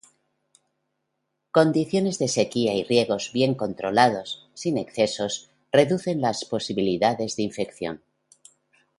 Condiciones de sequía y riegos bien controlados, sin excesos, reducen las probabilidades de infección.